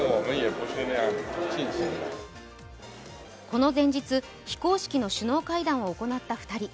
この前日、非公式の首脳会談を行った２人。